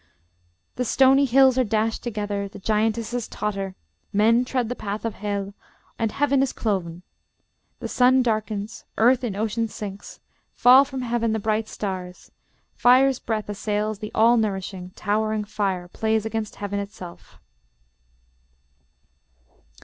The stony hills are dashed together, the giantesses totter; men tread the path of Hel, and heaven is cloven. The sun darkens, earth in ocean sinks, fall from heaven the bright stars, fire's breath assails the all nourishing, towering fire plays against heaven itself."